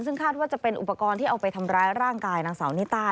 ซึ่งคาดว่าจะเป็นอุปกรณ์ที่เอาไปทำร้ายร่างกายนางสาวนิต้า